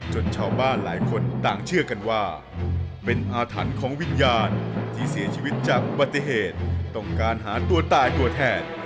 ชาวบ้านหลายคนต่างเชื่อกันว่าเป็นอาถรรพ์ของวิญญาณที่เสียชีวิตจากอุบัติเหตุต้องการหาตัวตายตัวแทน